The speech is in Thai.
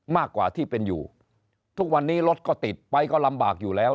มากกว่าที่เป็นอยู่ทุกวันนี้รถก็ติดไปก็ลำบากอยู่แล้ว